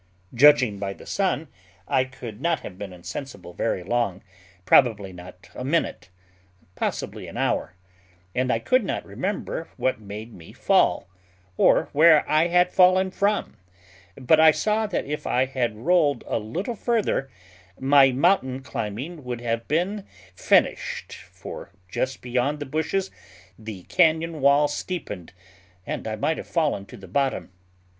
Judging by the sun, I could not have been insensible very long; probably not a minute, possibly an hour; and I could not remember what made me fall, or where I had fallen from; but I saw that if I had rolled a little further, my mountain climbing would have been finished, for just beyond the bushes the cañon wall steepened and I might have fallen to the bottom.